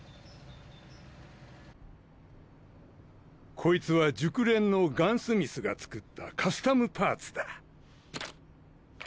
こいつは熟練のガンスミスが作ったカスタムパーツだ。